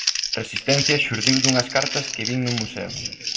Resistencia xurdiu dunhas cartas que vin nun museo.